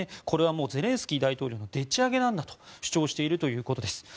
これはゼレンスキー大統領のでっち上げなんだと主張しているということです。